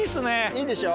いいでしょ。